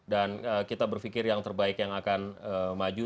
dan kita berfikir yang terbaik yang akan maju